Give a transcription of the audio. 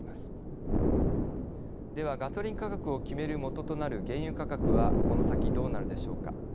ではガソリン価格を決める元となる原油価格はこの先どうなるでしょうか。